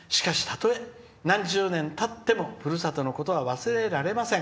しかし、たとえ、何十年たってもふるさとのことは忘れられません。